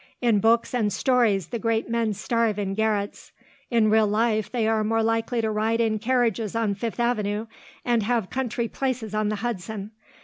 In books and stories the great men starve in garrets. In real life they are more likely to ride in carriages on Fifth Avenue and have country places on the Hudson.